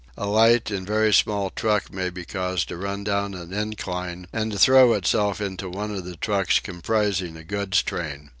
A light and very small truck may be caused to run down an incline and to throw itself into one of the trucks comprising a goods train.